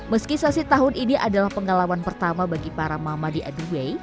meski sesi tahun ini adalah pengalaman pertama bagi para mama di aduway